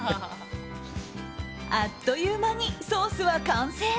あっという間にソースは完成。